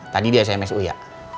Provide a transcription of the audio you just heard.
tadi di sms u ya